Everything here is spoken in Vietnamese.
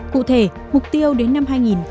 cụ thể mục tiêu đến năm hai nghìn hai mươi năm